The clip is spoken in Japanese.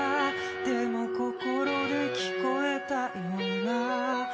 「でも心で聞こえたような」